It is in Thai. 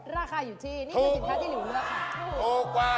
ราคาอยู่ที่นี่สินค้าที่หลิวแล้วค่ะ